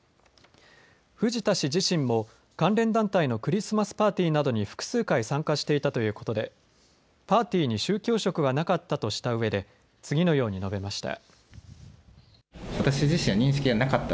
藤田氏自身も関連団体のクリスマスパーティーなどに複数回参加していたということでパーティーに宗教色はなかったとした上で次のように述べました。